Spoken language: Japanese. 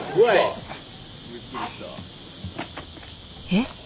えっ？